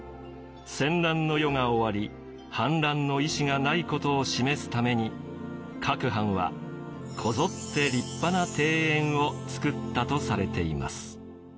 戦乱の世が終わり反乱の意思がないことを示すために各藩はこぞって立派な庭園をつくったとされています。